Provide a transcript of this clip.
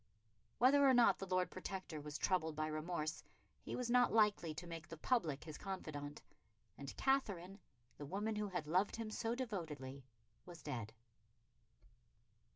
Whether or not the Lord Protector was troubled by remorse, he was not likely to make the public his confidant; and Katherine, the woman who had loved him so devotedly, was dead.